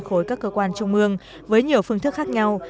khối các cơ quan trung ương với nhiều phương thức khác nhau